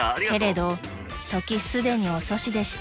［けれど時すでに遅しでした］